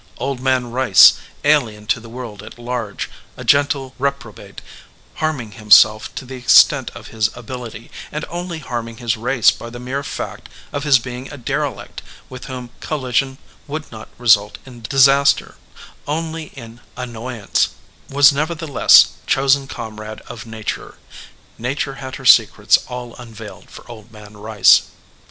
Old Man Rice, alien to the world at large, a gentle reprobate, harming himself to the extent of his ability, and only harming his race by the mere fact of his being a derelict with whom collision would not result in disaster, only in an noyance, was, nevertheless, chosen comrade of Nature. Nature had her secrets all unveiled for Old Man Rice.